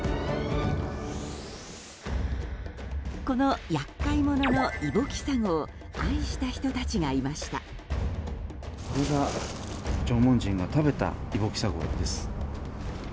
この厄介者のイボキサゴを愛した人たちがいました。